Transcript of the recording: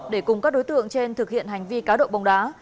để cùng các đối tượng trên thực hiện hành vi cá độ bóng đá